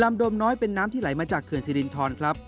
โดมน้อยเป็นน้ำที่ไหลมาจากเขื่อนสิรินทรครับ